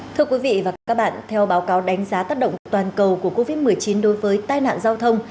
thưa quý vị và các bạn theo báo cáo đánh giá tác động toàn cầu của covid một mươi chín đối với tai nạn giao thông